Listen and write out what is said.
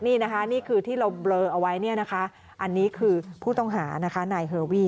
นี่คือที่เราเบลอเอาไว้อันนี้คือผู้ต้องหานายเฮอร์วี่